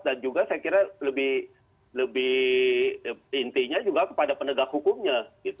dan juga saya kira lebih intinya juga kepada penegak hukumnya